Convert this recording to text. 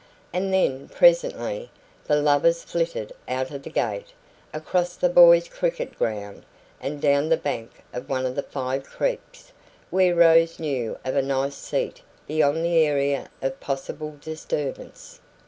And then, presently, the lovers flitted out of the gate, across the boys' cricket ground, and down the bank of one of the five creeks, where Rose knew of a nice seat beyond the area of possible disturbance.